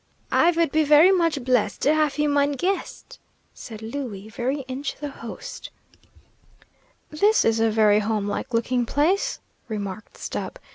"I vould be wery much bleased to haf you mine guest," said Louie, every inch the host. "This is a very home like looking place," remarked Stubb.